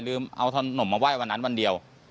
เอาขนมมาไหว้วันนั้นวันเดียว